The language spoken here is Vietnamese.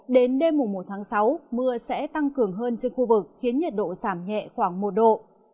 đến đêm một sáu mưa sẽ tăng cường hơn trên khu vực khiến nhiệt độ giảm nhẹ khoảng một độ